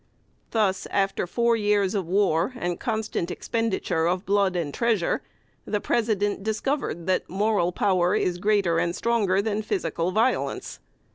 Thus, after four years of war and constant expenditure of blood and treasure, the President discovered that moral power is greater and stronger than physical violence.